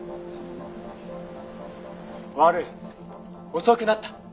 悪い遅くなった。